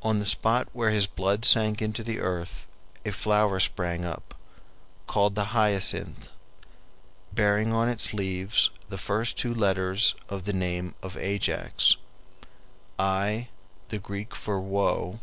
On the spot where his blood sank into the earth a flower sprang up, called the hyacinth, bearing on its leaves the first two letters of the name of Ajax, Ai, the Greek for "woe."